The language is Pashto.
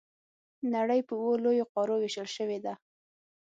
نړۍ په اووه لویو قارو وېشل شوې ده.